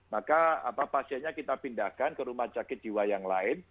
maka pasiennya kita pindahkan ke rumah sakit jiwa yang lain